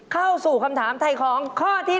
เข้าสู่คำถามไทยของข้อที่๓